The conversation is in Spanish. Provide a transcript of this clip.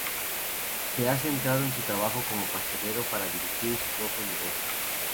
Se ha centrado en su trabajo como pastelero para dirigir su propio negocio.